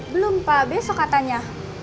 belum pak besok katanya